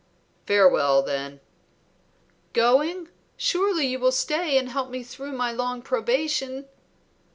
"Farewell, then." "Going? Surely you will stay and help me through my long probation?"